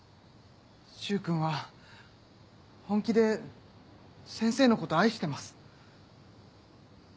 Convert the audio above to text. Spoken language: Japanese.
柊君は本気で先生のこと愛してます。